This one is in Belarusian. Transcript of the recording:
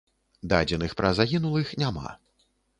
Дадзеных пра загінулых няма.